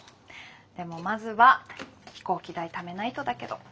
でもまずは飛行機代ためないとだけど。